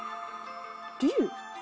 龍？